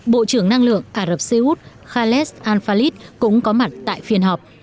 bộ trưởng năng lượng ả rập xê út khales al falid cũng có mặt tại phiên họp